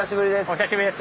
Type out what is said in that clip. お久しぶりです